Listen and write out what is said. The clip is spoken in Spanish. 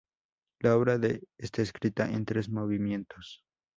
La obra está escrita en tres movimientos.